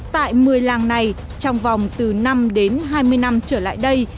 tại một mươi làng này trong vòng từ năm đến hai mươi năm trở lại đây